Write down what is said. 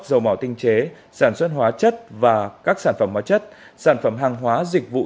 dầu mỏ tinh chế sản xuất hóa chất và các sản phẩm hóa chất sản phẩm hàng hóa dịch vụ